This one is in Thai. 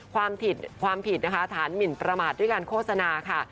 ความผิดฐานหมินประมาทด้วยการโฆษณาค่ะ